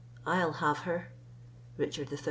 I'll have her. Richard III.